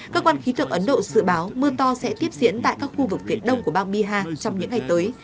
cơ quan khí tượng ấn độ dự báo mưa to sẽ tiếp diễn tại các khu vực viện đông của bang bihar trong những ngày tới